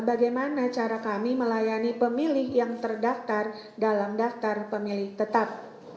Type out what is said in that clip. bagaimana cara kami melayani pemilih yang terdaftar dalam daftar pemilih tetap